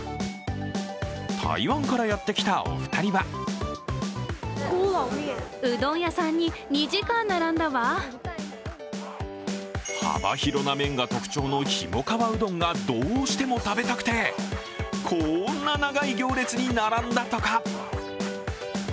台湾からやってきたお二人は幅広な麺が特徴のひもかわうどんがどうしても食べたくてこんな長い行列に並んだとか。